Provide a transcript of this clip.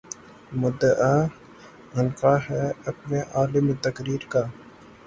مدعا عنقا ہے اپنے عالم تقریر کا